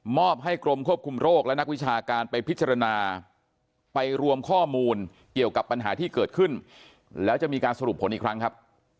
อบให้กรมควบคุมโรคและนักวิชาการไปพิจารณาไปรวมข้อมูลเกี่ยวกับปัญหาที่เกิดขึ้นแล้วจะมีการสรุปผลอีกครั้งครับ